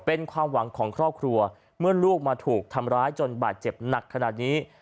เป็นความหวังของครอบครัวเมื่อลูกมาถูกทำร้ายจนบาดเจ็บหนักขนาดนี้